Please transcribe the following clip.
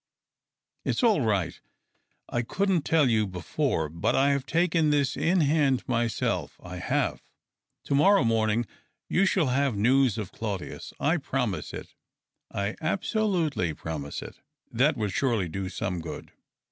It's all right. I couldn't tell you before, but I have taken this in hand myself, 1 have. To morrow morning you shall have news of Claudius. I promise it. I absolutely promise it." That would surely do some good.